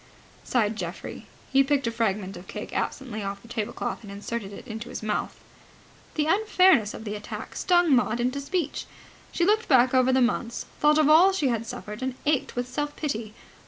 sighed Geoffrey. He picked a fragment of cake absently off the tablecloth and inserted it in his mouth. The unfairness of the attack stung Maud to speech. She looked back over the months, thought of all she had suffered, and ached with self pity.